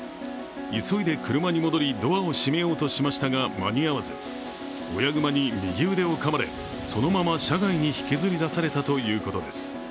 急いで車に戻り、ドアを閉めようとしましたが、間に合わず、親熊に右腕をかまれ、そのまま車外に引きずり出されたということです。